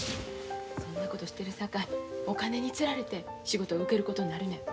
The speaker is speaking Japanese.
そんなことしてるさかいお金に釣られて仕事を受けることになるねん。